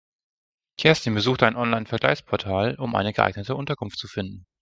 Kerstin besuchte ein Online-Vergleichsportal, um eine geeignete Unterkunft zu finden.